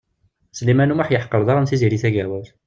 Sliman U Muḥ yeḥqer daɣen Tiziri Tagawawt.